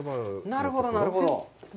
なるほど、なるほど。